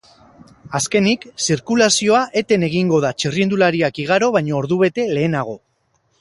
Azkenik, zirkulazioa eten egingo da txirrindulariak igaro baino ordubete lehenago.